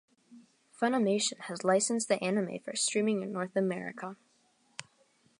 Funimation has licensed the anime for streaming in North America.